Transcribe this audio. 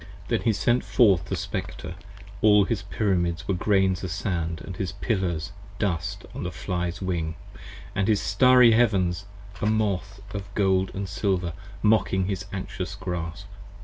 Then he sent forth the Spectre: all his pyramids were grains Of sand & his pillars, dust on the fly's wing: & his starry Heavens, a moth of gold & silver mocking his anxious grasp.